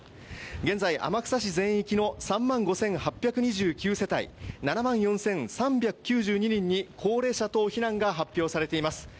現在天草市全域の３万５８２９世帯７万４３９２人に高齢者等避難が発表されています。